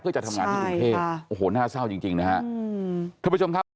เพื่อจะทำงานในอุงเทศโอ้โหน่าเศร้าจริงนะฮะคุณผู้ชมครับ